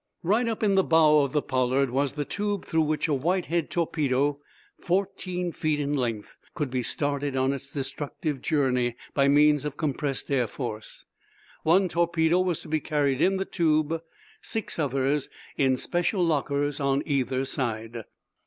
Right up in the bow of the "Pollard" was the tube through which a Whitehead torpedo, fourteen feet in length, could be started on its destructive journey by means of compressed air force. One torpedo was to be carried in the tube, six others in special lockers on either side.